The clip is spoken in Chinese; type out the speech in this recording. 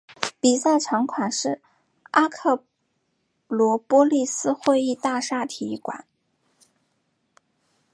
比赛场馆是阿克罗波利斯会议大厦体育馆。